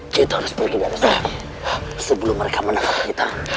kita harus pergi dari sana sebelum mereka menangkap kita